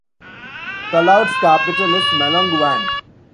Talaud's capital is Melonguane.